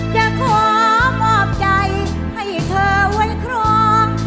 จะขอมอบใจให้เธอไว้ครอง